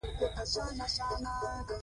هغه تازه له پولې اوختی و.